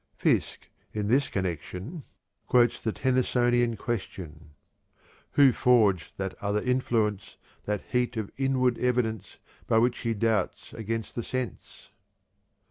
'" Fiske, in this connection, quotes the Tennysonian question: "'Who forged that other influence, That heat of inward evidence, By which he doubts against the sense?'"